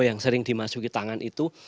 yang sering dimasuki tangan itu